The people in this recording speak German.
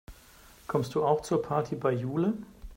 Kommst du auch zur Party bei Jule?